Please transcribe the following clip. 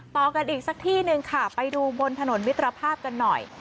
ต่อกันอีกสักที่หนึ่งค่ะไปดูบนถนนมิตรภาพกันหน่อย